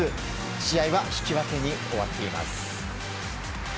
試合は引き分けに終わっています。